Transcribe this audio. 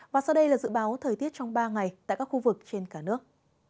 và sau đây là dự báo thời tiết trong ba ngày tại các khu vực trên cả nước